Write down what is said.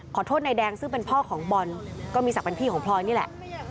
ขอโทษนายแดงซึ่งเป็นพ่อของบอลก็มีศักดิ์เป็นพี่ของพลอยนี่แหละ